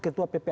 ketua ppat ya